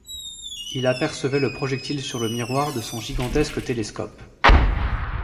il apercevait le projectile sur le miroir de son gigantesque télescope